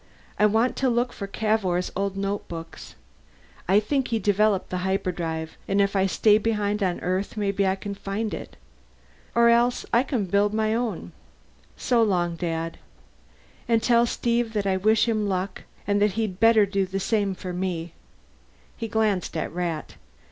I want to look for Cavour's old notebooks; I think he developed the hyperdrive, and if I stay behind on Earth maybe I can find it. Or else I can build my own. So long, Dad. And tell Steve that I wish him luck and that he'd better do the same for me." He glanced at Rat.